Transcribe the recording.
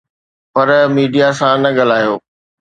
پر media سان نه ڳالهايو